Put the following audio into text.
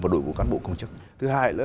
và đội ngũ cán bộ công chức thứ hai nữa